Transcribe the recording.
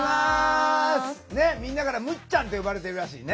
みんなからむっちゃんって呼ばれてるらしいね。